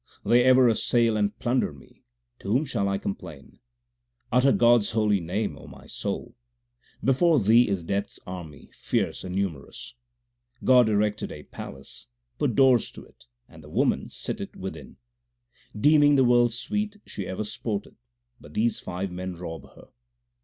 They ever assail and plunder me ; to whom shall I complain ? Utter God s holy name, O my soul ; Before thee is Death s army fierce and numerous. God erected a palace, 2 put doors to it, and the woman 3 sitteth within. Deeming the world sweet, she ever sporteth, but these five men rob her.